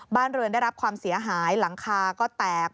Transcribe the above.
บ้านเรือนได้รับความเสียหายหลังคาก็แตก